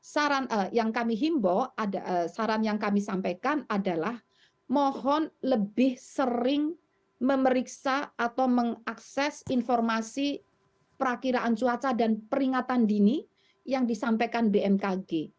saran yang kami himbau saran yang kami sampaikan adalah mohon lebih sering memeriksa atau mengakses informasi perakiraan cuaca dan peringatan dini yang disampaikan bmkg